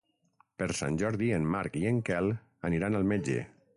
Per Sant Jordi en Marc i en Quel aniran al metge.